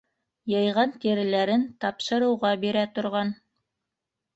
Йыйған тиреләрен тапшырыуға бирә торған